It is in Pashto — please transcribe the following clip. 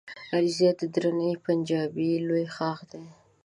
علیزی د دراني د پنجپای لوی ښاخ دی